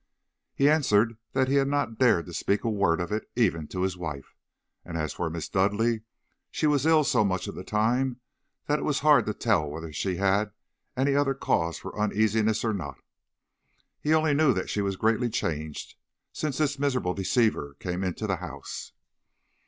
"He answered that he had not dared to speak a word of it even to his wife; and as for Miss Dudleigh, she was ill so much of the time that it was hard to tell whether she had any other cause for uneasiness or not. He only knew that she was greatly changed since this miserable deceiver came into the house.